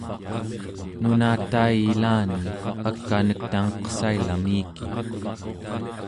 nunatai ilani ak'anek tangeqsailamiki